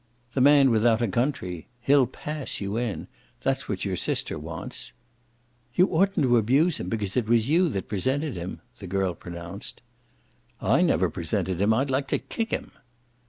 "The man without a country. HE'LL pass you in that's what your sister wants." "You oughtn't to abuse him, because it was you that presented him," the girl pronounced. "I never presented him! I'd like to kick him."